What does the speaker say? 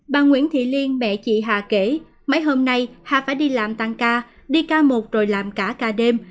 bà nguyễn thị liên mẹ chị hà kể mấy hôm nay hà phải đi làm tăng ca đi ca một rồi làm cả ca đêm